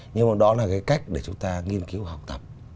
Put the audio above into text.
nhưng mà đó là cái cách để chúng ta nghiên cứu và học tập